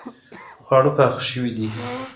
خواړه پاخه شوې دي